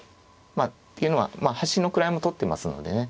まあっていうのは端の位も取ってますのでね